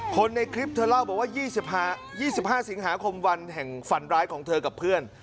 คนในคลิปเธอเล่าบอกว่า๒๕สิงหาคมวันแห่งฝันร้ายของเธอกับเพื่อน